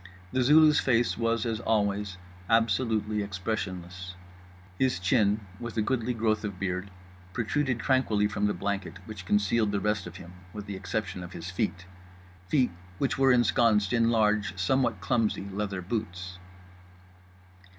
The Zulu's face was as always absolutely expressionless. His chin, with a goodly growth of beard, protruded tranquilly from the blanket which concealed the rest of him with the exception of his feet—feet which were ensconced in large, somewhat clumsy, leather boots.